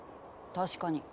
確かに。